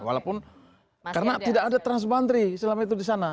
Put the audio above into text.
walaupun karena tidak ada transbanteri selama itu di sana